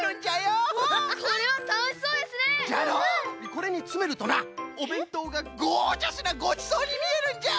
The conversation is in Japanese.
これにつめるとなおべんとうがゴージャスなごちそうにみえるんじゃ。